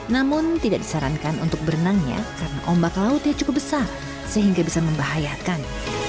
namun tidak disarankan untuk berenangnya karena ombak lautnya cukup besar sehingga bisa membahayakan